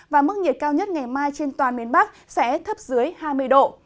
và mức nhiệt cao nhất ngày mai trên toàn miền bắc sẽ thấp dưới hai mươi độ